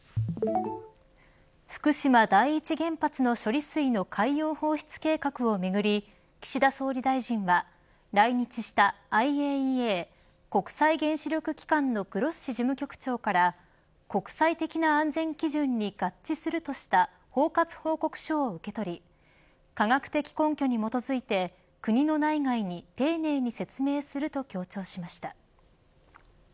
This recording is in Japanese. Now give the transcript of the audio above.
福島第一原発の処理水の海洋放出計画をめぐり岸田総理大臣は来日した、ＩＡＥＡ国際原子力機関のグロッシ事務局長から国際的な安全基準に合致するとした包括報告書を受け取り科学的根拠に基づいて国の内外に丁寧に説明すると強調しました。